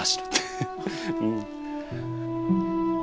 うん。